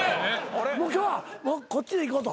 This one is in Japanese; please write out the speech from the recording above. もう今日はこっちでいこうと？